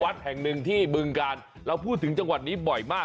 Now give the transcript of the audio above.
วัดแห่งหนึ่งที่บึงกาลเราพูดถึงจังหวัดนี้บ่อยมาก